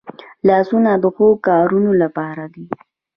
لاسونه د ښو کارونو لپاره دي